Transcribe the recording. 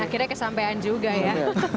dan akhirnya kesampean juga ya